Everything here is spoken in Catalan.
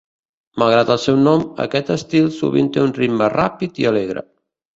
Malgrat el seu nom, aquest estil sovint té un ritme ràpid i alegre.